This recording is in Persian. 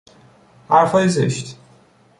حرفهای زشت